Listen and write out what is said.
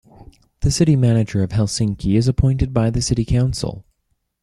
The City Manager of Helsinki is appointed by the city council.